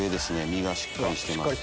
身がしっかりしてます。